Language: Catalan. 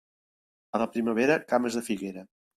A la primavera, cames de figuera.